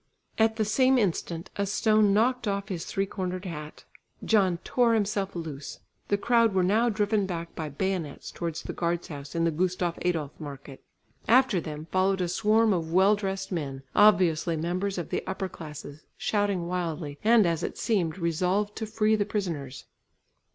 At the same instant a stone knocked off his three cornered hat. John tore himself loose; the crowd were now driven back by bayonets towards the guard house in the Gustaf Adolf market. After them followed a swarm of well dressed men, obviously members of the upper classes, shouting wildly, and as it seemed, resolved to free the prisoners.